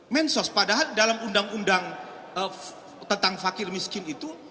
mensos padahal dalam undang undang tentang fakir miskin itu